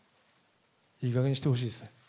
いいかげんにしてほしいですね。